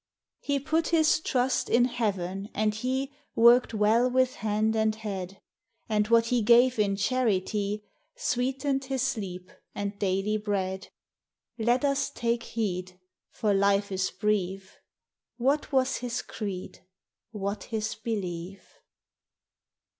He put his trust in heaven, and he Worked well with hand and head; 234 THE HIGHER LIFE. And what he gave in charity Sweetened his sleep and daily bread. Let us take heed, For life is brief. What was his creed — What his belief?